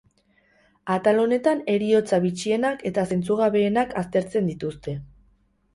Atal honetan heriotza bitxienak eta zentzugabeenak aztertzen dituzte.